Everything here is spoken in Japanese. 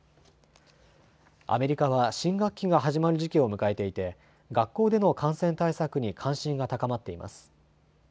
アメリカは新学期が始まる時期を迎えていて学校での感染対策に関心が高まっています。